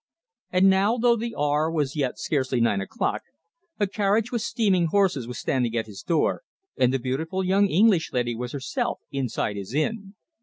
And now, though the hour was yet scarcely nine o'clock, a carriage with steaming horses was standing at his door, and the beautiful young English lady was herself inside his inn.